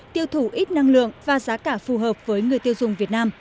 tiêu thủ ít năng lượng và giá cả phù hợp với người tiêu dùng việt nam